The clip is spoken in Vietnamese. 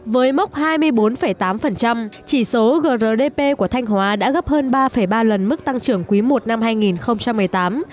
với mốc hai mươi bốn tám chỉ số grdp của thanh hóa đã gấp hơn ba ba lần mức tăng trưởng quý i năm hai nghìn một mươi tám